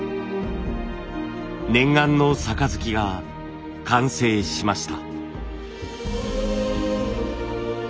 念願の盃が完成しました。